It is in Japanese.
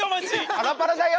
パラパラだよ！